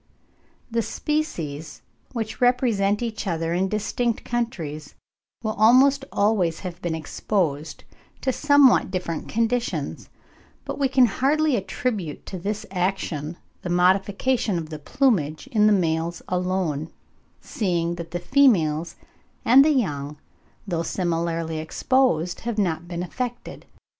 The species which represent each other in distinct countries will almost always have been exposed to somewhat different conditions, but we can hardly attribute to this action the modification of the plumage in the males alone, seeing that the females and the young, though similarly exposed, have not been affected.